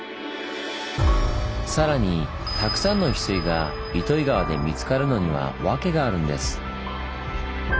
さらにたくさんのヒスイが糸魚川で見つかるのには訳があるんです。